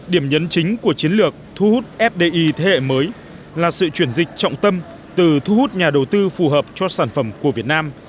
điểm nhấn chính của chiến lược thu hút fdi thế hệ mới là sự chuyển dịch trọng tâm từ thu hút nhà đầu tư phù hợp cho sản phẩm của việt nam